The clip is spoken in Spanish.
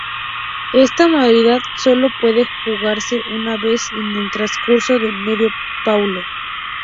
Esta modalidad solo puede jugarse una vez en el transcurso de "medio Paulo".